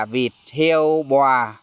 vịt heo bò